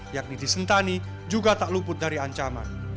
yakni di sentani juga tak luput dari ancaman